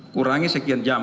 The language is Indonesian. kurangi sekian jam